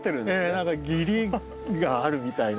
何か義理があるみたいな。